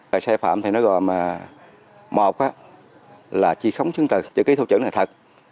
về xe phạm thì nó gọi là một là chi khống chứng tật chữ ký thu chuẩn là thật